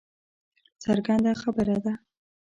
څرګنده خبره ده